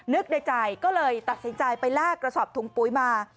นึกในใจก็เลยตัดสินใจไปลากกระสอบถุงปุ๋ยมา